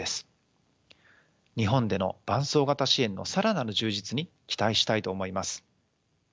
日本での伴走型支援の更なる充実に期待したいと思います。